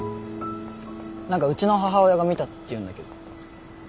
何かうちの母親が見たっていうんだけど。